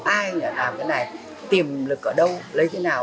ai mà làm cái này tìm lực ở đâu lấy thế nào